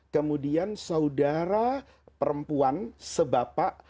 kemudian saudara perempuan sebapak